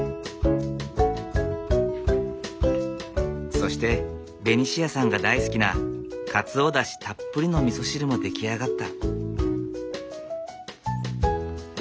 そしてベニシアさんが大好きなかつおだしたっぷりのみそ汁も出来上がった。